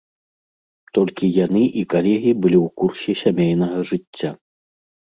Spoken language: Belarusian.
Толькі яны і калегі былі ў курсе сямейнага жыцця.